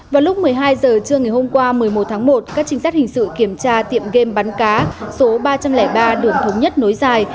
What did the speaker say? vào lúc một mươi hai h trưa ngày hôm qua một mươi một tháng một các trinh sát hình sự kiểm tra tiệm game bắn cá số ba trăm linh ba đường thống nhất nối dài